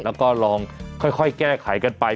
แล้วก็ลองค่อยแก้ไขกันไป